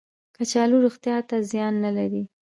کچالو روغتیا ته زیان نه لري